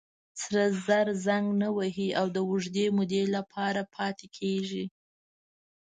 سره زر زنګ نه وهي او د اوږدې مودې لپاره پاتې کېږي.